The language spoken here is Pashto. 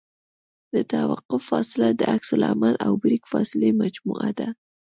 د توقف فاصله د عکس العمل او بریک فاصلې مجموعه ده